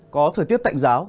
có thời tiết tạnh giáo